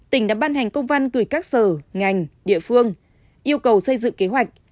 tỉnh đã ban hành công văn gửi các sở ngành địa phương yêu cầu xây dựng kế hoạch